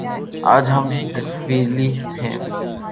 آج ہم طفیلی ہیں۔